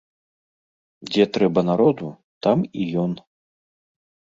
Дзе трэба народу, там і ён.